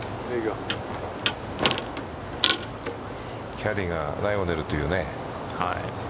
キャリーがライを出るというね。